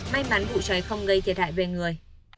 may mắn vụ cháy không gây thiệt hại về người